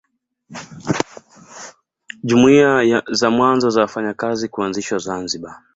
Jumuiya za mwanzo za wafanyakazi kuanzishwa Zanzibar